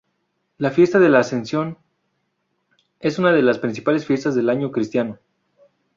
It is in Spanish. La Fiesta de la Ascensión es una de las principales fiestas del año cristiano.